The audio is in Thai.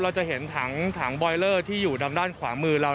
เราจะเห็นถังบอยเลอร์ที่อยู่ดำด้านขวามือเรา